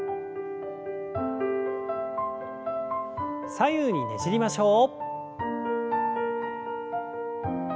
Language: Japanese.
左右にねじりましょう。